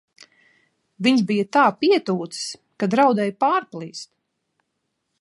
Viņš bija tā pietūcis, ka draudēja pārplīst!